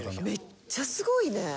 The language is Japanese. めっちゃすごいね！